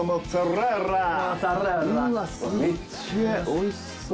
おいしそう！